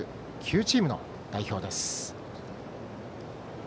秋田３９チームの代表です。